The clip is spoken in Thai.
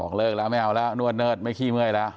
เลิกแล้วไม่เอาแล้วนวดเนิดไม่ขี้เมื่อยแล้ว